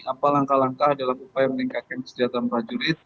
apa langkah langkah dalam upaya meningkatkan kesejahteraan prajurit